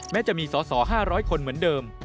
แม้จะมีสอ๕๐๐คนเหมือนเดิม